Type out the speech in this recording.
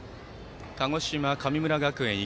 鹿児島、神村学園高校